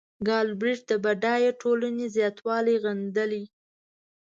ګالبرېټ د بډایه ټولنې زیاتوالی غندلی.